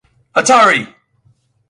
Hatari!